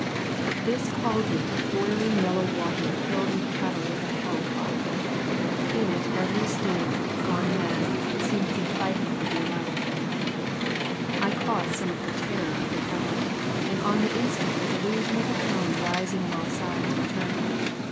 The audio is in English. But this caldron of boiling yellow water filled with cattle was a hell pot. In it every steer, gone mad, seemed to be fighting for dear life. I caught something of the terror of the cattle, and on the instant the delusion of the cone rising on all sides returned.